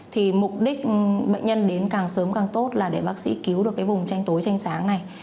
thì mục đích bệnh nhân đến càng sớm càng tốt là để bác sĩ cứu được cái vùng tranh tối tranh sáng này